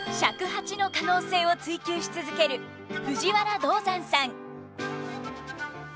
尺八の可能性を追求し続ける藤原道山さん。